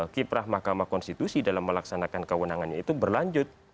kiprah mahkamah konstitusi dalam melaksanakan kewenangannya itu berlanjut